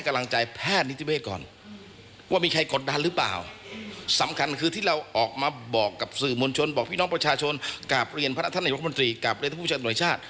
อยากให้ภรรกสวงศ์ไปให้กำลังใจแพทย์นิติเวศ